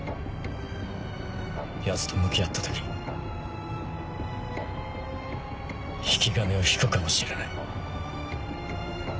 ヤツと向き合った時引き金を引くかもしれない。